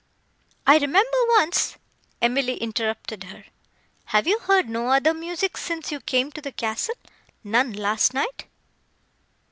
I remember once—" Emily interrupted her; "Have you heard no other music since you came to the castle—none last night?"